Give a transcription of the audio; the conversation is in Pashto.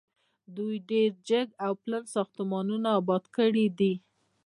دوی ډیر جګ او پلن ساختمانونه اباد کړي دي.